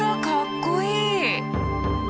かっこいい！